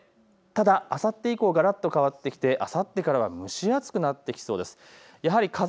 ただあさって以降、がらっと変わってきてあさってからは蒸し暑くなってきそうです。